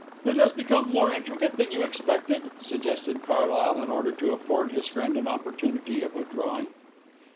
"It has become more intricate than you expected?" suggested Carlyle, in order to afford his friend an opportunity of withdrawing.